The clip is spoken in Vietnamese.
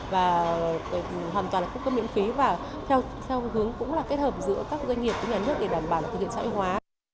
và hoàn toàn là cung cấp miễn phí và theo hướng cũng là kết hợp giữa các doanh nghiệp với nhà nước để đảm bảo thực hiện xã hội hóa